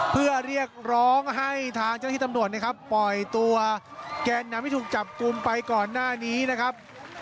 เพื่อเรียกร้องให้ทางเจ้าที่ตำรวจนะครับปล่อยตัวแกนนำที่ถูกจับกลุ่มไปก่อนหน้านี้นะครับ